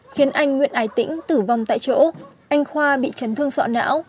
khiến anh nguyễn ái tĩnh tử vong tại chỗ anh khoa bị chấn thương sọ não